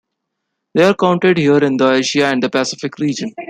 They are counted here in the Asia and the Pacific region.